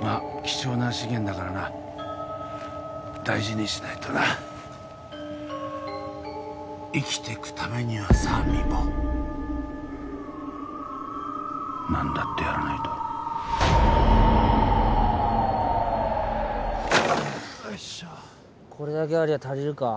まあ貴重な資源だからな大事にしないとな生きてくためにはさみーぽ何だってやらないとよいしょこれだけありゃ足りるか？